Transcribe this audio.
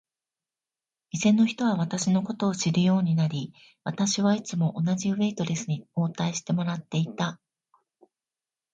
店の人は私のことを知るようになり、私はいつも同じウェイトレスに応対してもらっていた。